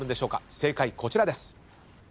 正解こちらです。